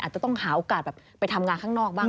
จะต้องหาโอกาสแบบไปทำงานข้างนอกบ้าง